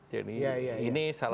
jadi ini salah satu